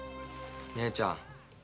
姉ちゃん。